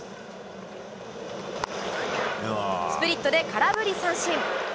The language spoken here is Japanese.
スプリットで空振り三振。